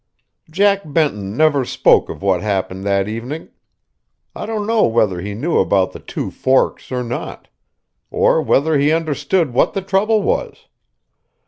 Jack Benton never spoke of what happened that evening. I don't know whether he knew about the two forks, or not; or whether he understood what the trouble was.